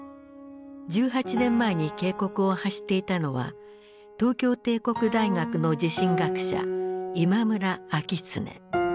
１８年前に警告を発していたのは東京帝国大学の地震学者今村明恒。